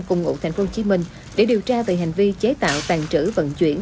cùng ngụ thành phố hồ chí minh để điều tra về hành vi chế tạo tàn trữ vận chuyển